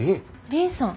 凛さん。